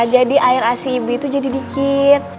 jadi air asli ibu itu jadi dikit